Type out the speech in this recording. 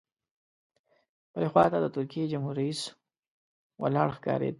بلې خوا ته د ترکیې جمهور رئیس ولاړ ښکارېد.